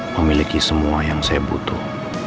memiliki semua yang saya butuh